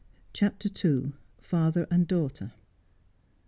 CHAPTER II. FATHER AND DAUGHTER.